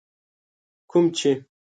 کوم چي